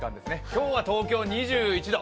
今日は東京２１度。